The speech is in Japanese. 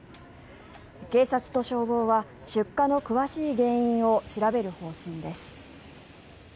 警察と消防は出火の詳しい原因を調べる方針です。